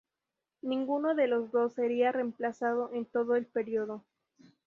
Ninguno de los dos sería reemplazado en todo el período.